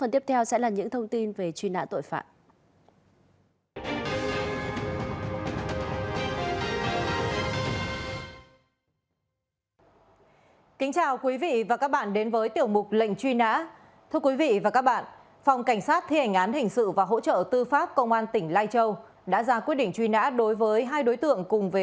đặc biệt gây ra hình ảnh xấu với đất nước